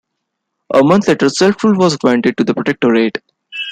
A month later self-rule was granted to the Protectorate.